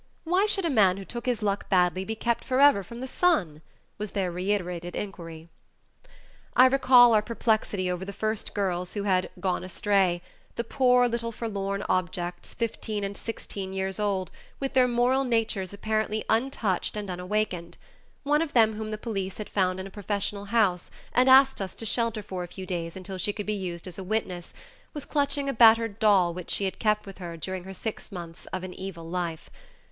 "Why should a man who took his luck badly be kept forever from the sun?" was their reiterated inquiry. I recall our perplexity over the first girls who had "gone astray" the poor, little, forlorn objects, fifteen and sixteen years old, with their moral natures apparently untouched and unawakened; one of them whom the police had found in a professional house and asked us to shelter for a few days until she could be used as a witness, was clutching a battered doll which she had kept with her during her six months of an "evil life."